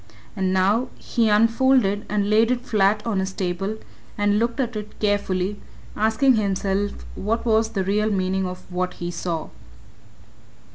And now he unfolded and laid it flat on his table and looked at it carefully, asking himself what was the real meaning of what he saw.